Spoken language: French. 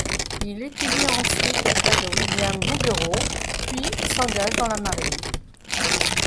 Il étudie ensuite auprès de William Bouguereau puis s’engage dans la marine.